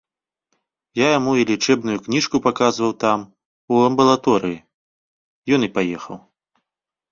Я яму і лячэбную кніжку паказваў там, у амбулаторыі, ён і паехаў.